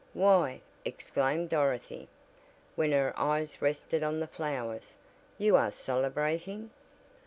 "Why!" exclaimed Dorothy, when her eyes rested on the flowers, "you are celebrating!"